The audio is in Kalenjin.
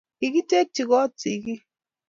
Kigitekchi koot sigiik